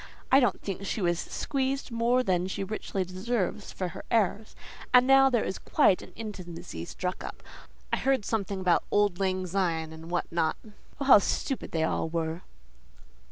I don't think she was squeezed more than she richly deserves for her airs. And now there is quite an intimacy struck up: I heard something about 'auld lang syne,' and what not. Oh, how stupid they all were!"